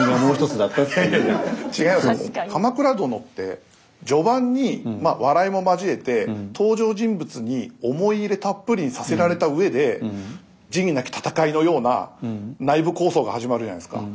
「鎌倉殿」って序盤に笑いも交えて登場人物に思い入れたっぷりにさせられた上で仁義なき戦いのような内部抗争が始まるじゃないですか。